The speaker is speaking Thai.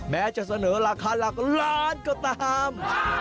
แม้จะเสนอราคาหลักล้านก็ตาม